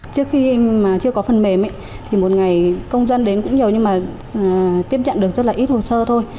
trước khi mà chưa có phần mềm thì một ngày công dân đến cũng nhiều nhưng mà tiếp nhận được rất là ít hồ sơ thôi